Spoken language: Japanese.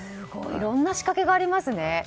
いろんな仕掛けがありますね。